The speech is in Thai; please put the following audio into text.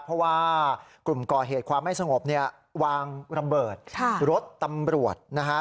เพราะว่ากลุ่มก่อเหตุความไม่สงบเนี่ยวางระเบิดรถตำรวจนะฮะ